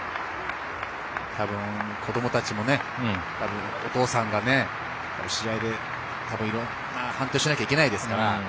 たぶん子どもたちもねお父さんが試合で判定しなくてはいけないですからね。